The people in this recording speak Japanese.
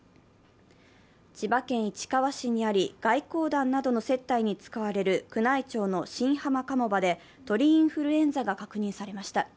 千葉県市川市にあり、外交団などの接待に使われる宮内庁の新浜鴨場で鳥インフルエンザが確認されました。